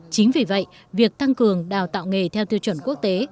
chính vì vậy việc tăng cường đào tạo nghề theo tiêu chuẩn quốc tế